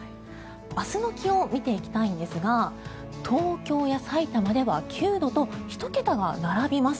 明日の気温見ていきたいんですが東京やさいたまでは９度と１桁が並びます。